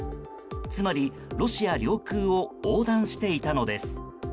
つまりロシア領空を横断していたのです。